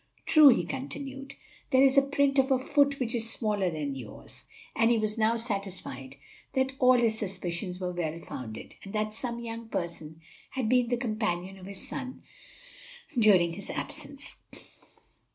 "True," he continued, "here is the print of a foot which is smaller than yours," and he was now satisfied that his suspicions were well founded, and that some very young person had been the companion of his son during his absence.